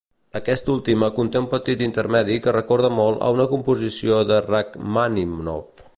Aquesta última conté un petit intermedi que recorda molt a una composició de Rakhmàninov.